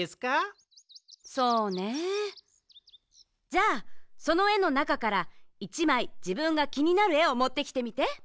そうねえじゃあそのえのなかから１まいじぶんがきになるえをもってきてみて。